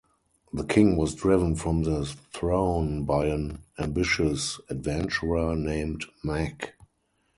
The king was driven from the throne by an ambitious adventurer named Mack.